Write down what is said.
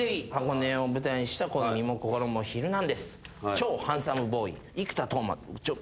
「超ハンサムボーイ生田斗真」って。